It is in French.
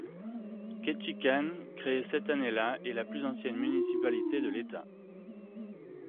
Ketchikan, créée cette année-là, est la plus ancienne municipalité de l'État.